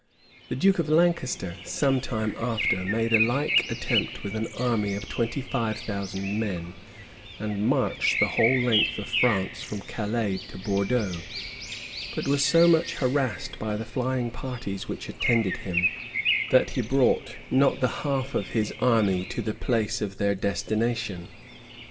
[] The duke of Lancaster, some time after, made a like attempt with an army of twenty five thousand men; and marched the whole length of France from Calais to Bordeaux: but was so much harassed by the flying parties which attended him, that he brought not the half of his army to the place of their destination.